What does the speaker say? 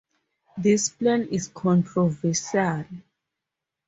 This plan is controversial.